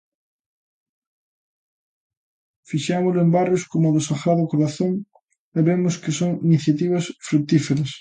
Fixémolo en barrios como o do Sagrado Corazón e vemos que son iniciativas frutíferas.